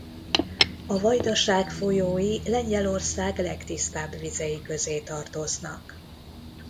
A vajdaság folyói Lengyelország legtisztább vizei közé tartoznak.